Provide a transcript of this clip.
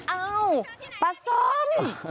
เอ้าปะส้ม